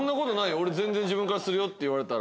俺全然自分からするよ」って言われたら。